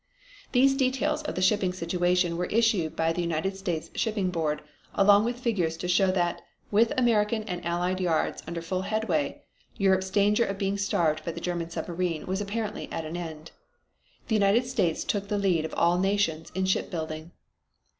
These details of the shipping situation were issued by the United States Shipping Board along with figures to show that, with American and allied yards under full headway, Europe's danger of being starved by the German submarine was apparently at an end. The United States took the lead of all nations in shipbuilding.